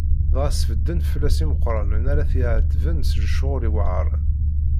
Dɣa sbedden fell-as imeqqranen ara t-iɛetben s lecɣal iweɛṛen.